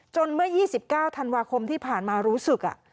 เมื่อ๒๙ธันวาคมที่ผ่านมารู้สึก